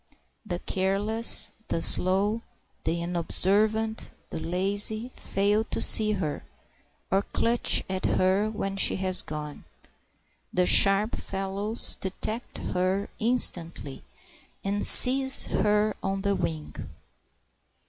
The careless, the slow, the unobservant, the lazy fail to see her, or clutch at her when she has gone. The sharp fellows detect her instantly, and seize her on the wing.